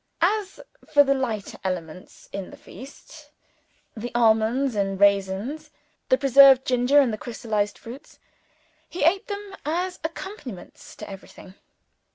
As for the lighter elements in the feast the almonds and raisins, the preserved ginger and the crystallized fruits, he ate them as accompaniments to everything.